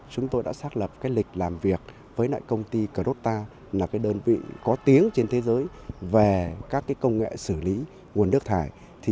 chúng tôi đã xác lập lịch làm việc với công ty crota là đơn vị có tiếng trên thế giới về các công nghệ xử lý nguồn nước thải